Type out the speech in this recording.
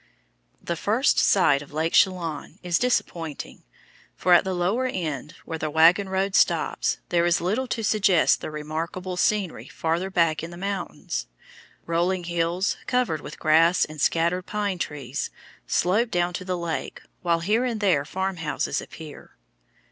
The first sight of Lake Chelan is disappointing, for at the lower end, where the wagon road stops, there is little to suggest the remarkable scenery farther back in the mountains. Rolling hills, covered with grass and scattered pine trees, slope down to the lake, while here and there farmhouses appear.